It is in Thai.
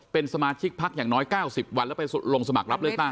เป็นสมาชิกพักอย่างน้อย๙๐วันแล้วไปลงสมัครรับเลือกตั้ง